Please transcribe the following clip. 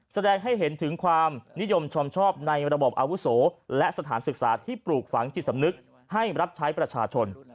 แสดงให้เห็นถึงความนิยมชมชอบในระบบอาวุโสและสถานศึกษาที่ปลูกฝังจิตสำนึกให้รับใช้ประชาชน